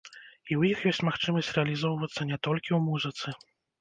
І ў іх ёсць магчымасць рэалізоўвацца не толькі ў музыцы.